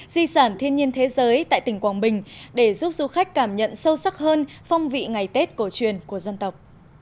di sản thiên nhiên thế giới tại tỉnh quảng bình để giúp du khách cảm nhận sâu sắc hơn phong vị ngày tết cổ truyền của dân tộc